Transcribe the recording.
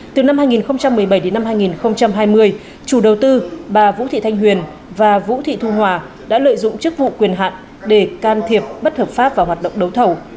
từ năm hai nghìn một mươi bảy đến năm hai nghìn hai mươi chủ đầu tư bà vũ thị thanh huyền và vũ thị thu hòa đã lợi dụng chức vụ quyền hạn để can thiệp bất hợp pháp vào hoạt động đấu thầu